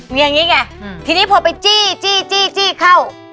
อย่างงี้ไงอืมทีนี้พอไปจี้จี้จี้จี้เข้า